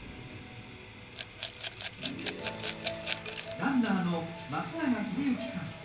ランナーの松永英之さん。